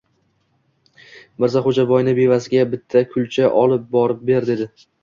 — Mirzaxo‘jaboyni bevasiga bitta kulcha olib bo-rib ber, — dedi.